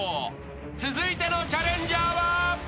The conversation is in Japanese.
［続いてのチャレンジャーは］